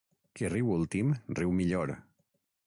Qui riu últim, riu millor.